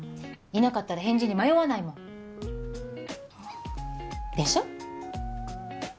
いなかったら返事に迷わないもんあでしょ？